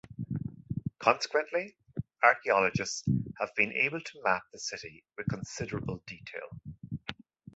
Consequently, archaeologists have been able to map the city with considerable detail.